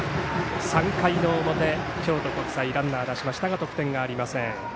３回の表、京都国際ランナーを出しましたが得点がありません。